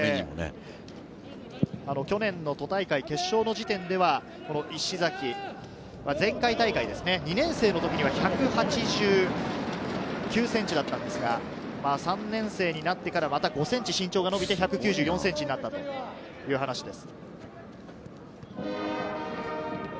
去年の都大会決勝の時点では、石崎、前回大会、２年生の時には１８９ｃｍだったんですが、３年生になってからまた５ｃｍ身長が伸びて１９４ｃｍになったという話です。